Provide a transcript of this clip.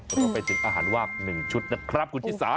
แล้วก็ไปถึงอาหารวาก๑ชุดนะครับคุณที่สา